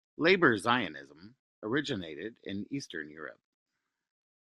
Labor Zionism originated in Eastern Europe.